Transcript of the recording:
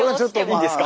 いいですか？